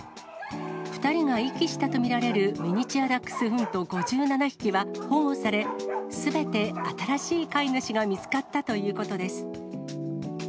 ２人が遺棄したと見られるミニチュアダックスフント５７匹は保護され、すべて新しい飼い主が見つかったということです。